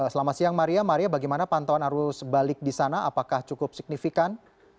selamat siang maria maria bagaimana pantauan arus balik di sana apakah cukup signifikan